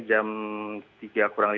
jam tiga kurang lima belas